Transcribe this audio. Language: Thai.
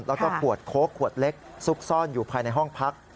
แล้วก็ขวดโค้กขวดเล็กซุกซ่อนอยู่ภายในห้องพัก